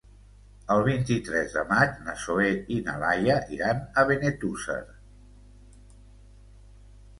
El vint-i-tres de maig na Zoè i na Laia iran a Benetússer.